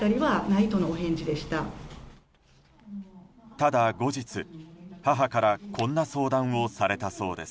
ただ後日、母からこんな相談をされたそうです。